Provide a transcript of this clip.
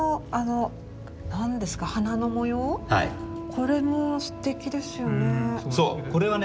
これもすてきですよね。